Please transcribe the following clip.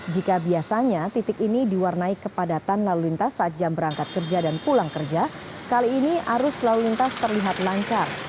jika biasanya titik ini diwarnai kepadatan lalu lintas saat jam berangkat kerja dan pulang kerja kali ini arus lalu lintas terlihat lancar